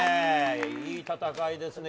いい戦いですね。